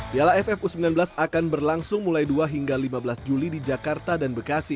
piala ff u sembilan belas akan berlangsung mulai dua hingga lima belas juli di jakarta dan bekasi